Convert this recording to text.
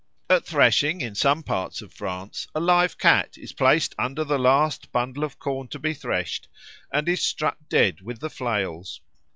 At threshing, in some parts of France, a live cat is placed under the last bundle of corn to be threshed, and is struck dead with the flails.